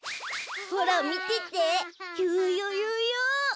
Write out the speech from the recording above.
ほらみてていうよいうよ。